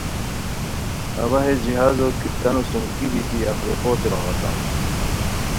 اوا ہے جہازو کپتانو سوم ا ی بیتی افریقوتین بغاتام